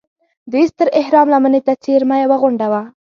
دې ستر اهرام لمنې ته څېرمه یوه غونډه وه.